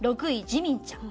ジミンちゃん